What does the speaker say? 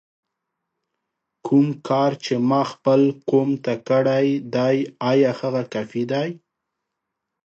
کوم کار چې ما خپل قوم ته کړی دی آیا هغه کافي دی؟!